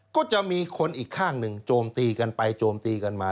ก็จะมีคนอีกข้างหนึ่งโจมตีกันไปโจมตีกันมา